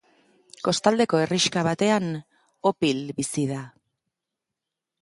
Kostaldeko herrixka batean Opil bizi da.